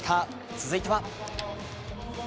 続いては。